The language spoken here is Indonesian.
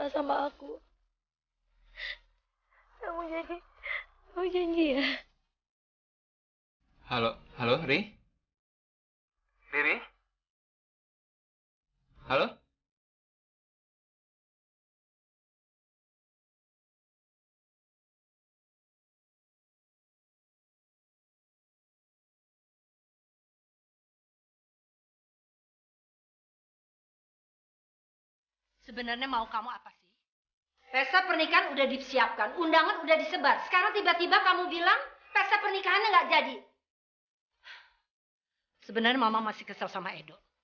sebenarnya mama masih kesel sama edo